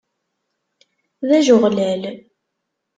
D ajeɣlal.